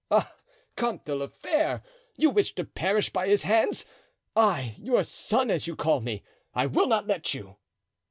Ah! Comte de la Fere, you wish to perish by his hands! I, your son, as you call me—I will not let you!"